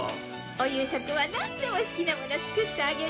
お夕食はなんでも好きなもの作ってあげるわ。